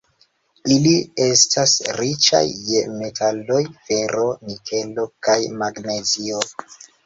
Ili estas riĉaj je metaloj: fero, nikelo kaj magnezio.